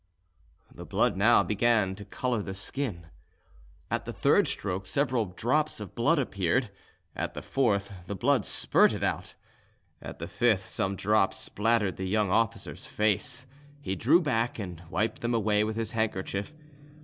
The blood now began to colour the skin. At the third stroke several drops of blood appeared; at the fourth the blood spurted out; at the fifth some drops spattered the young officer's face; he drew back, and wiped them away with his handkerchief.